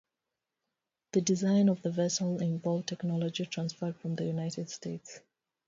The design of the vessel involved technology transferred from the United States.